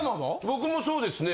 僕もそうですね。